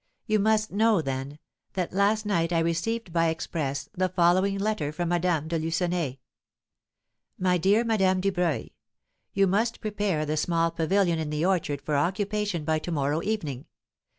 You must know, then, that last night I received by express the following letter from Madame de Lucenay: "MY DEAR MADAME DUBREUIL: "'You must prepare the small pavilion in the orchard for occupation by to morrow evening.